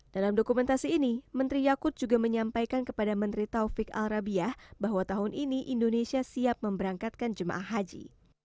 dalam dokumentasi ini menteri yakut juga menyampaikan kepada menteri taufik al rabiah bahwa tahun ini indonesia siap memberangkatkan jemaah haji